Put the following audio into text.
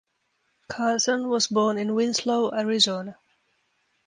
Carson was born in Winslow, Arizona.